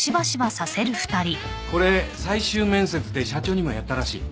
これ最終面接で社長にもやったらしい。